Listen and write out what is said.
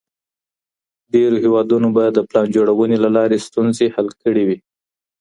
ډېرو هېوادونو به د پلان جوړوني له لاري ستونزي حل کړې وي.